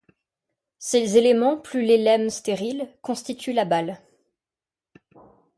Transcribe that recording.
Ces éléments, plus les lemmes stériles, constituent la balle.